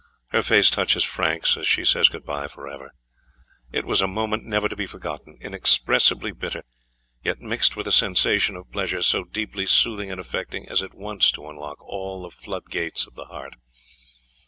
Her face touches Frank's, as she says goodbye for ever "It was a moment never to be forgotten, inexpressibly bitter, yet mixed with a sensation of pleasure so deeply soothing and affecting as at once to unlock all the floodgates of the heart."